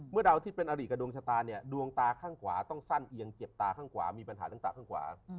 ดาวที่เป็นอริกับดวงชะตาเนี่ยดวงตาข้างขวาต้องสั้นเอียงเจ็บตาข้างขวามีปัญหาเรื่องตาข้างขวา